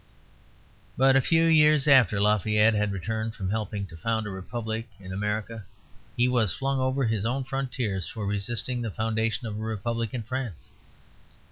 But a few years after Lafayette had returned from helping to found a republic in America he was flung over his own frontiers for resisting the foundation of a republic in France.